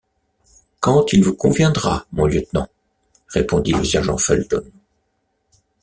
Quand il vous conviendra, mon lieutenant », répondit le sergent Felton.